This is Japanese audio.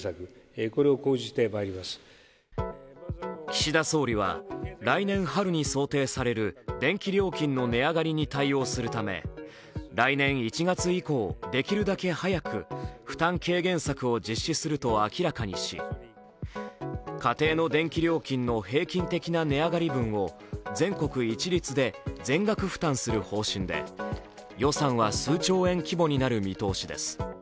岸田総理は来年春に想定される電気料金の値上がりに対応するため来年１月以降、できるだけ早く負担軽減策を実施すると明らかにし、家庭の電気料金の平均的な値上がり分を全国一律で全額負担する方針で、予算は数兆円規模になる見通しです。